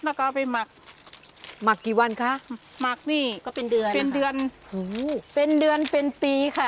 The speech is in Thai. แล้วก็เอาไปหมักหมักกี่วันคะหมักนี่ก็เป็นเดือนเป็นเดือนโอ้โหเป็นเดือนเป็นปีค่ะ